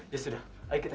ya sudah ayo kita ke sana